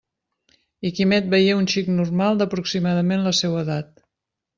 I Quimet veié un xic normal d'aproximadament la seua edat.